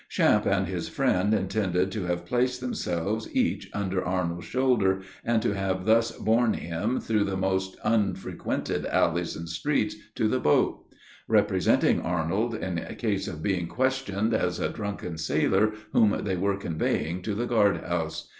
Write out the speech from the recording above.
Champe and his friend intended to have placed themselves each under Arnold's shoulder, and to have thus borne him through the most unfrequented alleys and streets to the boat; representing Arnold, in case of being questioned, as a drunken sailor, whom they were conveying to the guard house.